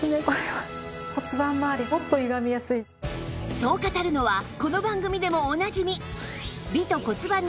そう語るのはこの番組でもおなじみ